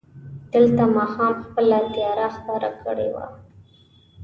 دلته ماښام خپله تياره خپره کړې وه.